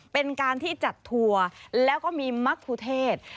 เป็นการที่จัดทัวร์แล้วก็มีมักภูเทศ